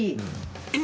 えっ？